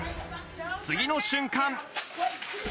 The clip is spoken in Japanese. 次の瞬間。